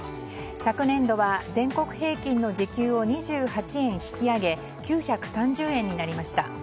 昨年度は全国平均の時給を２８円引き上げ９３０円になりました。